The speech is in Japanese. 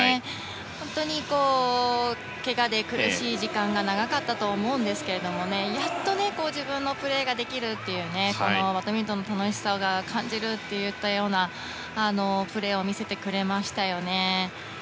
本当にけがで苦しい時間が長かったと思うんですけれどもやっと自分のプレーができるというバドミントンの楽しさを感じるといったようなプレーを見せてくれましたよね。